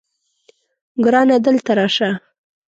ګرانه دلته راشه